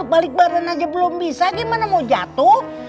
balik badan aja belum bisa gimana mau jatuh